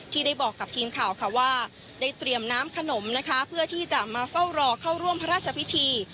ที่ได้บอกกับทีมข่าวค่ะว่าได้เตรียมน้ำขนมนะคะเพื่อที่จะมาเฝ้ารอเข้าร่วมพระราชพิธี